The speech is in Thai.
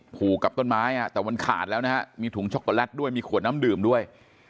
ผูกกับต้นไม้แต่มันขาดแล้วนะฮะมีถุงช็อกโกแลตด้วยมีขวดน้ำดื่มด้วย